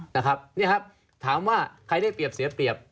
นะครับนี่ครับถามว่าใครได้เปรียบเสียเปรียบ